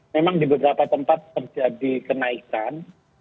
memang di beberapa tempat terjadi kenaikan